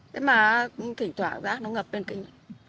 đấy mà thỉnh thoảng rác nó ngập lên kinh